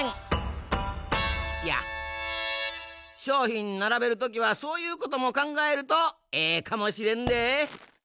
しょうひんならべるときはそういうこともかんがえるとええかもしれんで。